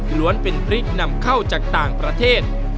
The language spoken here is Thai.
ล้วนเป็นพริกนำเข้าจากต่างประเทศ